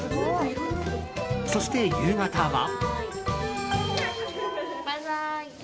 そして、夕方は。